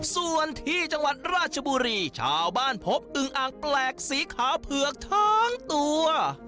ส่วนที่จังหวัดราชบุรีชาวบ้านพบอึงอ่างแปลกสีขาวเผือกทั้งตัว